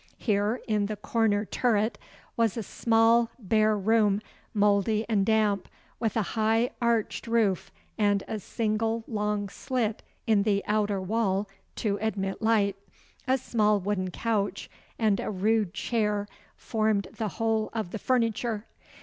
Here, in the corner turret, was a small, bare room, mouldy and damp, with a high, arched roof, and a single long slit in the outer wall to admit light. A small wooden couch and a rude chair formed the whole of the furniture.